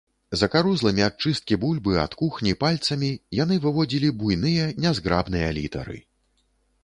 Закарузлымі ад чысткі бульбы, ад кухні пальцамі яны выводзілі буйныя нязграбныя літары.